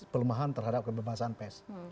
pelemahan terhadap kebebasan pes